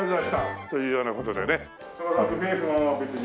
というような事でね。